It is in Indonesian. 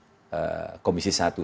dan memilih komisi selatan